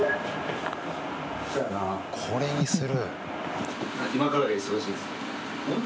これにする？